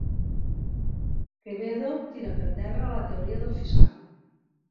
Quevedo tira per terra la teoria del fiscal